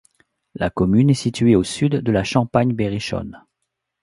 La commune est située au sud de la champagne berrichonne.